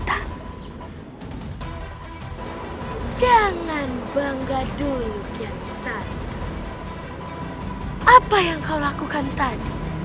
apa yang kau lakukan tadi